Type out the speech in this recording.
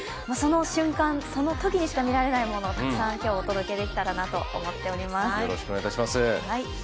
その瞬間、その時にしか見られないものをたくさんお届けできたらなと思っています。